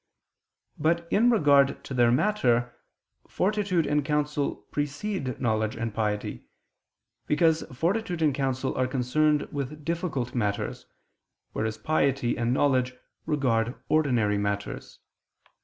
But in regard to their matter, fortitude and counsel precede knowledge and piety: because fortitude and counsel are concerned with difficult matters, whereas piety and knowledge regard ordinary matters.